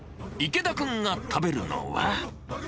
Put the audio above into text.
池田君が食べるのは。